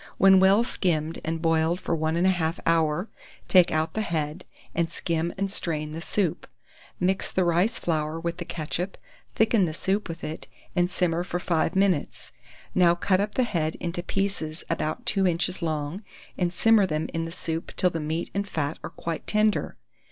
When well skimmed and boiled for 1 1/2 hour, take out the head, and skim and strain the soup. Mix the rice flour with the ketchup, thicken the soup with it, and simmer for 5 minutes. Now cut up the head into pieces about two inches long, and simmer them in the soup till the meat and fat are quite tender.